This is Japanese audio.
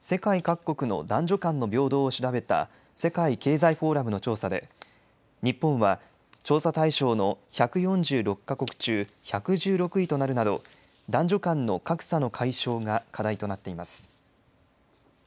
世界各国の男女間の平等を調べた世界経済フォーラムの調査で、日本は調査対象の１４６か国中、１１６位となるなど男女間の格差の解消が課題となっています。